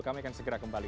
kami akan segera kembali